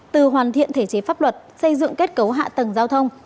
từ hoàn thiện thể chế pháp luật xây dựng kết cấu hạ tầng giao thông